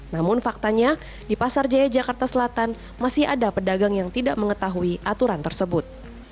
namun faktanya di pasar jaya jakarta selatan masih ada pedagang yang tidak mengetahui aturan tersebut